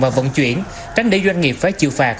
và vận chuyển tránh để doanh nghiệp phải chịu phạt